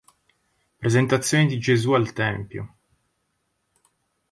Presentazione di Gesù al Tempio